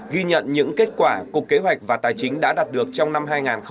ghi nhận những kết quả cục kế hoạch và tài chính đã đạt được trong năm hai nghìn hai mươi